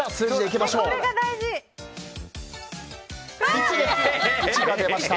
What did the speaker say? １が出ました。